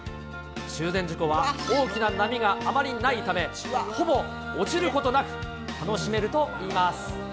中禅寺湖は大きな波があまりないため、ほぼ落ちることなく楽しめるといいます。